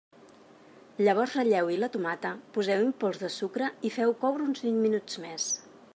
Llavors ratlleu-hi la tomata, poseu-hi un pols de sucre i feu-ho coure uns vint minuts més.